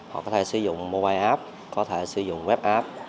họ có thể sử dụng mobile app có thể sử dụng web app